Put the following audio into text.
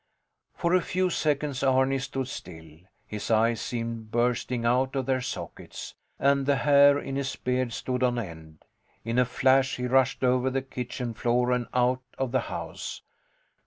For a few seconds Arni stood still. His eyes seemed bursting out of their sockets, and the hair in his beard stood on end. In a flash he rushed over the kitchen floor and out of the house.